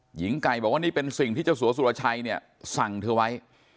หญิงไก่บอกว่านี่เป็นสิ่งที่เจ้าสัวสุรชัยเนี่ยสั่งเธอไว้